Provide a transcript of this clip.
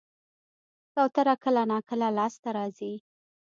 کوتره کله ناکله لاس ته راځي.